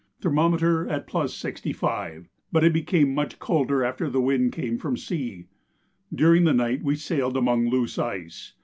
Thermometer at +65; but it became much colder after the wind came from sea. During the night we sailed among loose ice.